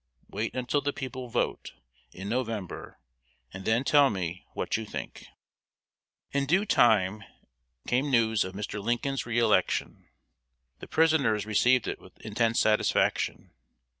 Wait until the people vote, in November, and then tell me what you think." In due time came news of Mr. Lincoln's re election. The prisoners received it with intense satisfaction.